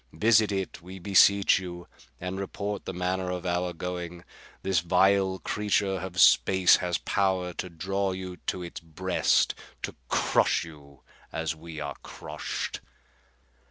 Visit it, we beseech you, and report the manner of our going. This vile creature of space has power to draw you to its breast, to crush you as we are crushed."